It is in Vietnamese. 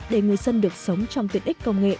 để người dân được sống trong tiện ích công nghệ